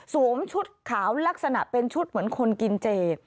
ชุดขาวลักษณะเป็นชุดเหมือนคนกินเจ